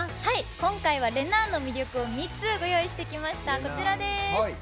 今回は、れなぁの魅力を３つご用意してきました。